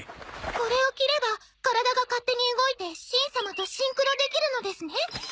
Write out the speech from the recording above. これを着れば体が勝手に動いてしん様とシンクロできるのですね？